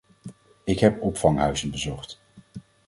Ik heb opvanghuizen bezocht.